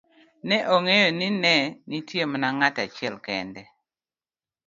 ne ong'eyo ni ne nitie mana ng'at achiel kende